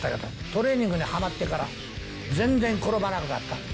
トレーニングにはまってから、全然転ばなくなった。